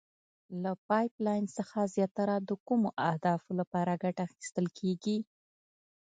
له پایپ لین څخه زیاتره د کومو اهدافو لپاره ګټه اخیستل کیږي؟